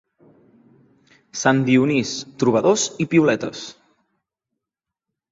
Sant Dionís, trobadors i piuletes.